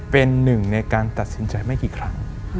เป็นหนึ่งในการตัดสินใจไม่กี่ครั้ง